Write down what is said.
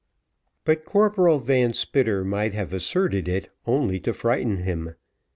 But Corporal Van Spitter might have asserted it only to frighten him.